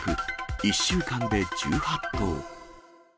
１週間で１８頭。